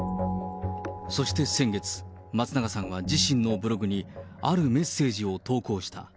そして先月、松永さんは自身のブログに、あるメッセージを投稿した。